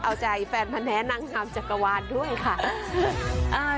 เอาใจแฟนพะแท้นางงามจักรวาลด้วยค่ะ